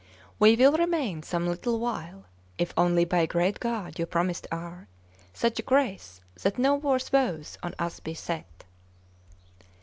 'We will remain some little while, If only by great God you promised are Such grace that no worse woes on us be set.